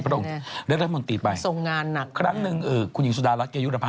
พระองค์เรียกรัฐมนตรีไป